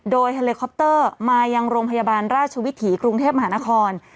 โดยเฮลิคอปเตอร์มายังโรงพยาบาลราชวิถีกรุงเทพมหานคร